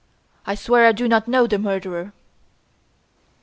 I swear I do not know the murderer!"